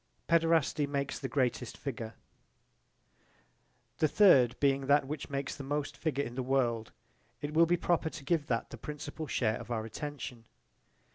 Paederasty makes the greatest figure The third being that which makes the most figure in the world it will be proper to give that the principal share of our attention.